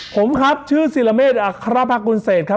ผมครับชื่อศิลเมฆอัครพักกุลเศษครับ